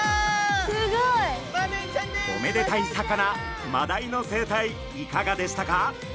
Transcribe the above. すごい！おめでたい魚マダイの生態いかがでしたか？